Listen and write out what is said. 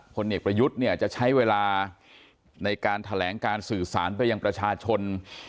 เอกประยุทธ์เนี่ยจะใช้เวลาในการแถลงการสื่อสารไปยังประชาชน